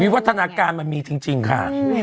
วัฒนาการมันมีจริงค่ะ